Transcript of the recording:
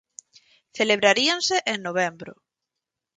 Celebraríanse en novembro.